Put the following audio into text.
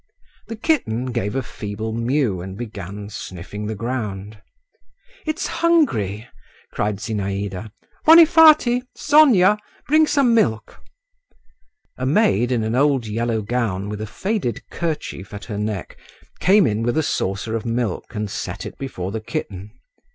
The kitten gave a feeble mew and began sniffing the ground. "It's hungry!" cried Zinaïda. "Vonifaty, Sonia! bring some milk." A maid, in an old yellow gown with a faded kerchief at her neck, came in with a saucer of milk and set it before the kitten.